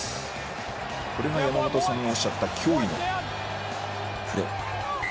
これが山本さんがおっしゃった脅威のプレー。